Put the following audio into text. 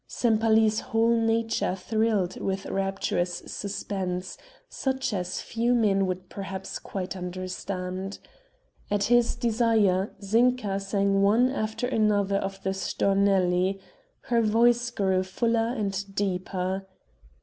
Sempaly's whole nature thrilled with rapturous suspense, such as few men would perhaps quite understand. At his desire Zinka sang one after another of the Stornelli ... her voice grew fuller and deeper